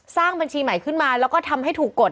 บัญชีใหม่ขึ้นมาแล้วก็ทำให้ถูกกฎ